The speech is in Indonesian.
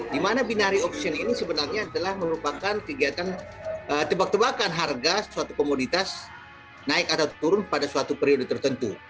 dimana binari option ini sebenarnya adalah merupakan kegiatan tebak tebakan harga suatu komoditas naik atau turun pada suatu periode tertentu